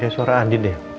kayak suara andin deh